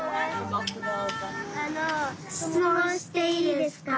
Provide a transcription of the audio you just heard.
あのしつもんしていいですか？